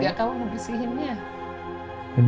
gak tahu mau pisihinnya